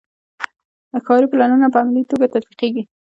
ښاري پلانونه په عملي توګه تطبیقیږي.